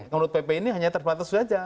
menurut pp ini hanya terbatas saja